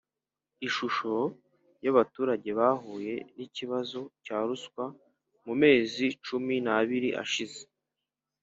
Ishusho y’abaturage bahuye n’ikibazo cya ruswa mu mezi cumi n’abiri ashize